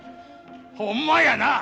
ほんまやな？